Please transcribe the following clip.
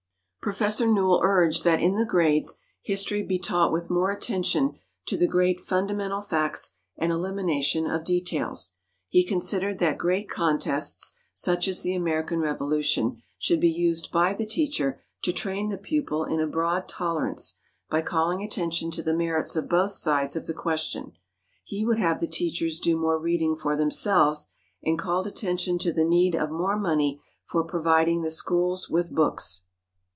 Prof. Newell urged that in the grades, history be taught with more attention to the great fundamental facts and elimination of details. He considered that great contests, such as the American Revolution, should be used by the teacher to train the pupil in a broad tolerance, by calling attention to the merits of both sides of the question. He would have the teachers do more reading for themselves, and called attention to the need of more money for providing the schools with books.